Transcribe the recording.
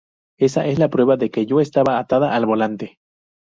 Esa es la prueba de que yo estaba atada al volante.